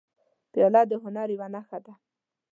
پیاله د هنر یوه نښه ده.